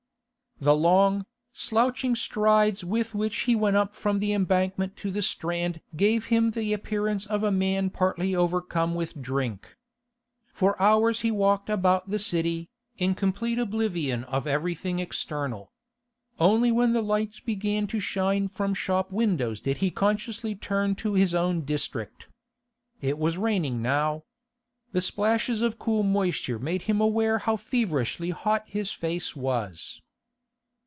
The long, slouching strides with which he went up from the Embankment to the Strand gave him the appearance of a man partly overcome with drink. For hours he walked about the City, in complete oblivion of everything external. Only when the lights began to shine from shop windows did he consciously turn to his own district. It was raining now. The splashes of cool moisture made him aware how feverishly hot his face was.